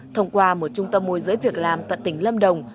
thông qua một trung tâm môi giới việc làm tại tỉnh lâm đồng